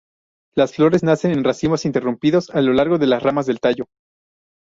Las flores nacen en racimos interrumpidos a lo largo de las ramas del tallo.